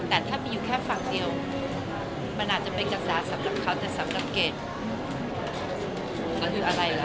แต่ถ้าเกี่ยวมันอาจจะเป็นกระแสสำหรับเขาแต่สำหรับเกรดแล้วก็เป็นอะไรหรอครับ